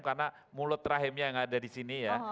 karena mulut rahimnya yang ada di sini ya